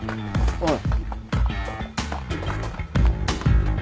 ・おい。